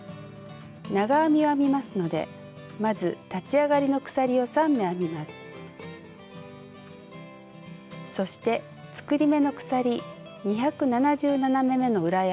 長編みを編みますのでまずそして作り目の鎖２７７目めの裏山